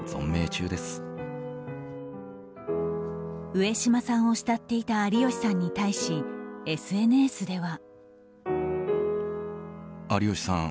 上島さんを慕っていた有吉さんに対し、ＳＮＳでは。